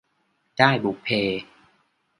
ด้ายบุพเพ